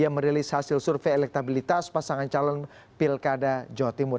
yang merilis hasil survei elektabilitas pasangan calon pilkada jawa timur